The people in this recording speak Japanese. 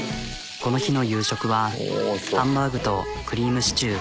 この日の夕食はハンバーグとクリームシチュー。